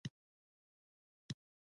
د لیمو ګل د څه لپاره وکاروم؟